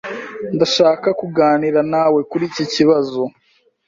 Ndashaka kuganira nawe kuri iki kibazo.